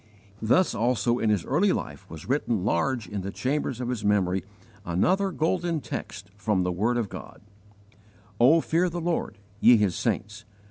Thus also in his early life was written large in the chambers of his memory another golden text from the word of God: "O FEAR THE LORD, YE HIS SAINTS!